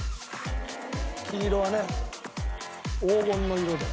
黄色はね黄金の色だよ。